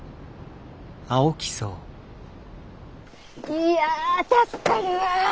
いや助かるわ。